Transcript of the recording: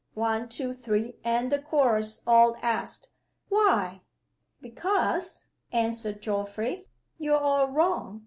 One, Two, Three, and the Chorus all asked, "Why?" "Because," answered Geoffrey, "you're all wrong.